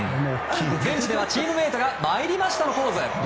現地ではチームメートが参りましたのポーズ。